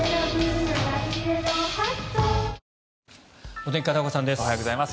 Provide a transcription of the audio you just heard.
お天気、片岡さんです。